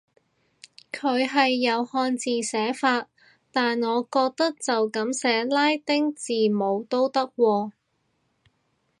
佢係有漢字寫法，但我覺得就噉寫拉丁字母都得喎